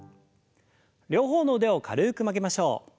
両方の腕を軽く曲げましょう。